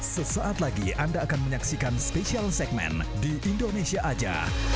sesaat lagi anda akan menyaksikan spesial segmen di indonesia aja